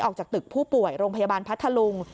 ออกจากตึกผู้ป่วยโรงพยาบาลพัทธลุง